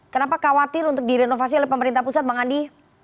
kenapa khawatir untuk direnovasi oleh pemerintah pusat bang andi